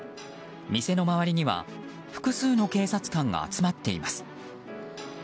店の周りには複数の警察官が集まっています。